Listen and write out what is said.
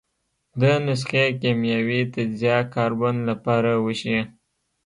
د نسخې کیمیاوي تجزیه کاربن له پاره وشي.